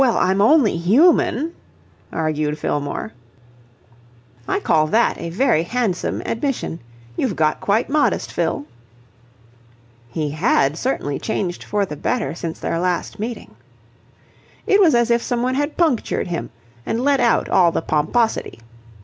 "Well, I'm only human," argued Fillmore. "I call that a very handsome admission. You've got quite modest, Fill." He had certainly changed for the better since their last meeting. It was as if someone had punctured him and let out all the pomposity.